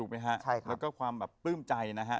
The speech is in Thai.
แล้วก็ความแบบปลื้มใจนะฮะ